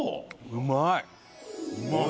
うまい！